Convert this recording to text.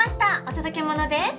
お届け物です。